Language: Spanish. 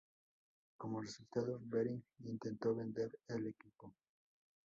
Como resultado, Behring intentó vender el equipo.